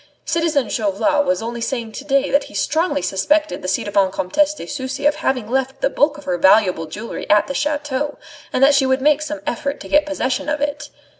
Citizen Chauvelin was only saying to day that he strongly suspected the ci devant Comtesse de Sucy of having left the bulk of her valuable jewellery at the chateau, and that she would make some effort to get possession of it.